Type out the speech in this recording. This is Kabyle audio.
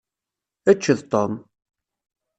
Ečč d Tom!